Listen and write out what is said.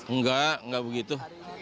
enggak enggak begitu